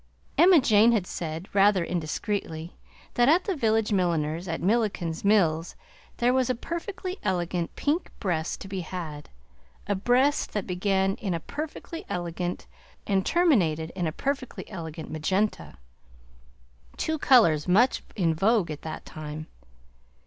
Emma Jane had said, rather indiscreetly, that at the village milliner's at Milliken's Mills there was a perfectly elegant pink breast to be had, a breast that began in a perfectly elegant solferino and terminated in a perfectly elegant magenta; two colors much in vogue at that time.